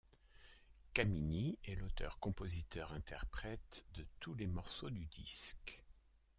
Kamini est l'auteur-compositeur-interprète de tous les morceaux du disque.